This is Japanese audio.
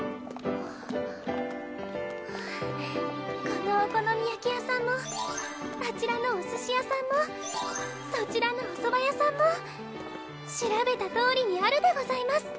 このお好み焼き屋さんもあちらのお寿司屋さんもそちらのおそば屋さんも調べたとおりにあるでございます